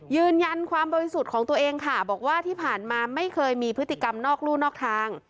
ยืนยันความบริสุทธิ์ของตัวเองค่ะบอกว่าที่ผ่านมาไม่เคยมีพฤติกรรมนอกรู่นอกทาง